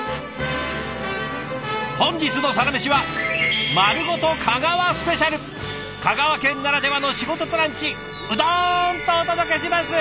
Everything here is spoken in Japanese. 本日の「サラメシ」は香川県ならではの仕事とランチうどんとお届けします！